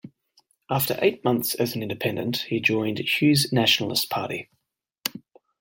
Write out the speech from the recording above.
After eight months as an independent, he joined Hughes' Nationalist Party.